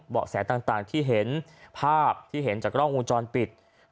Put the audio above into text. เบาะแสต่างที่เห็นภาพที่เห็นจากกล้องวงจรปิด